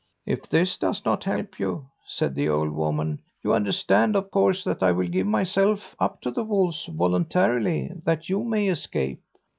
"'If this does not help you,' said the old woman, 'you understand, of course, that I will give myself up to the wolves voluntarily, that you may escape.'